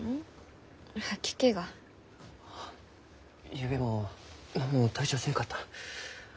ゆうべも何も食べちゃあせんかった。